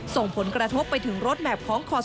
ส่งผลกระทบไปถึงรถแมพของคศ